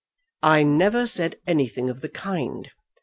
"I never said anything of the kind."